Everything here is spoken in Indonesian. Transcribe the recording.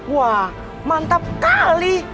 wah mantap kali